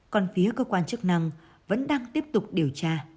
còn phía cơ quan chức năng vẫn đang tiếp tục điều tra